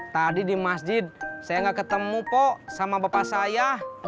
tadi di masjid saya gak ketemu po sama bapak saya